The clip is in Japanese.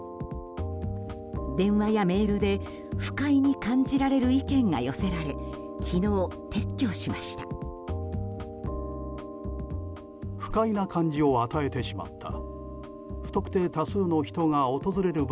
電話やメールで不快に感じられる意見が寄せられ昨日、撤去しました。